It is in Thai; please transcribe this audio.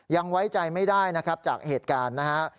ยังไว้ใจไม่ได้นะครับจากเหตุการณ์นะฮะ